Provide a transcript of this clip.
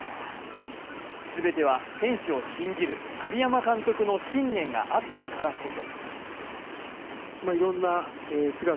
全ては選手を信じる栗山監督の信念があったからこそ。